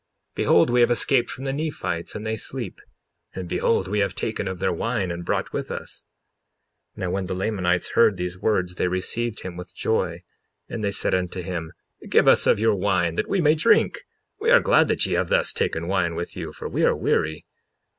Behold, we have escaped from the Nephites, and they sleep; and behold we have taken of their wine and brought with us. 55:9 Now when the Lamanites heard these words they received him with joy; and they said unto him: Give us of your wine, that we may drink; we are glad that ye have thus taken wine with you for we are weary.